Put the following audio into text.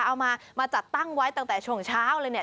เอามามาจัดตั้งไว้ตั้งแต่ช่วงเช้าเลยเนี่ย